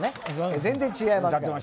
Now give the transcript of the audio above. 全然違いますから。